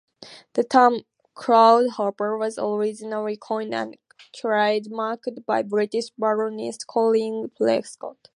The term "Cloudhopper" was originally coined and trademarked by British balloonist Colin Prescot.